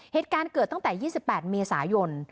เหตุการณ์เกิดตั้งแต่๒๘เมษายน